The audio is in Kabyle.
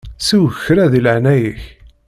Sew kra deg leɛnaya-k!